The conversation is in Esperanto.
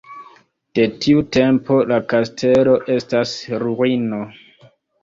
De tiu tempo la kastelo estas ruino.